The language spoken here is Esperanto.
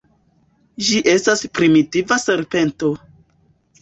Ĝi estas primitiva serpento.